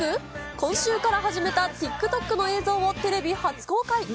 今週から始めたＴｉｋＴｏｋの映像をテレビ初公開。